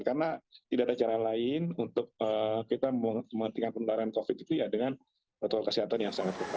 karena tidak ada cara lain untuk kita menghentikan penularan covid sembilan belas dengan protokol kesehatan yang sangat berpengaruh